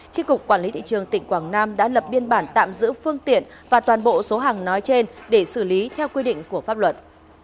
tri cục quản lý thị trường tỉnh quảng nam đã lập biên bản tạm giữ phương tiện và toàn bộ số hàng nói trên để xử lý theo quy định của pháp luật